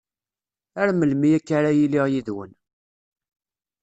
Ar melmi akka ara yiliɣ yid-wen!